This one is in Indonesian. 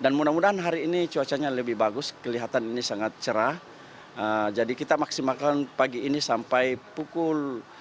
dan mudah mudahan hari ini cuacanya lebih bagus kelihatan ini sangat cerah jadi kita maksimalkan pagi ini sampai pukul empat belas